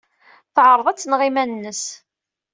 Teɛreḍ ad tneɣ iman-nnes.